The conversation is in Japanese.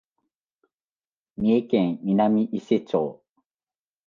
三重県南伊勢町